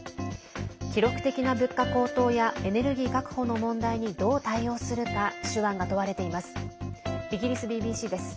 記録的な物価高騰やエネルギー確保の問題にどう対応するか手腕が問われています。